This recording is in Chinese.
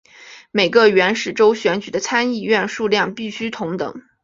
每个原始州选举的参议员数量必须同等。